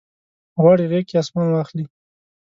غواړي غیږ کې اسمان واخلي